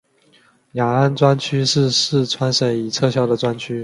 雅安专区是四川省已撤销的专区。